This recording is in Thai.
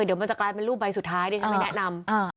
เดี๋ยวมันจะกลายเป็นรูปใบสุดท้ายที่ฉันไม่แนะนำ